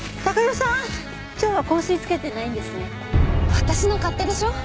私の勝手でしょ。